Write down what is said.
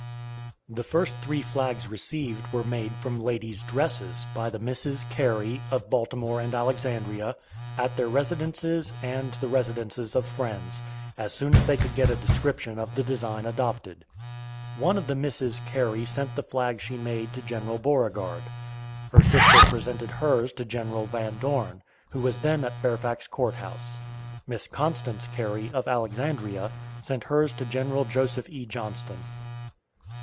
The first three flags received were made from "ladies' dresses" by the Misses Carey, of Baltimore and Alexandria, at their residences and the residences of friends, as soon as they could get a description of the design adopted. One of the Misses Carey sent the flag she made to General Beauregard. Her sister presented hers to General Van Dorn, who was then at Fairfax Court House. Miss Constance Carey, of Alexandria, sent hers to General Joseph E. Johnston.